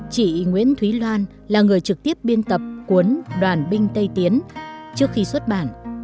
chị nguyễn thúy loan là người trực tiếp biên tập cuốn đoàn binh tây tiến trước khi xuất bản